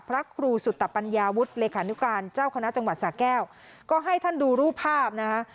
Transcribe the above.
พระครูสุตปัญญาวุฒิเลขานุการเจ้าคณะจังหวัดสาแก้วก็ให้ท่านดูรูปภาพนะคะ